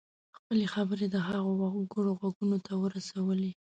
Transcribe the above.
خپلې خبرې یې د هغو وګړو غوږونو ته ورسولې.